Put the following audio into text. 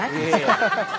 ハハハハ。